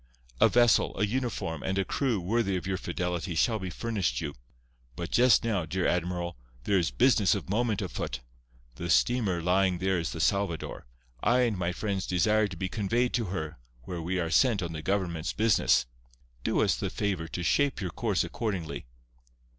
A vessel, a uniform and a crew worthy of your fidelity shall be furnished you. But just now, dear admiral, there is business of moment afoot. The steamer lying there is the Salvador. I and my friends desire to be conveyed to her, where we are sent on the government's business. Do us the favour to shape your course accordingly."